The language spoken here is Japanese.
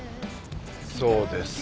そうです。